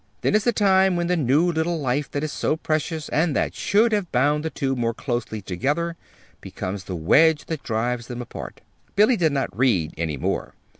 Then is the time when the new little life that is so precious, and that should have bound the two more closely together, becomes the wedge that drives them apart." Billy did not read any more.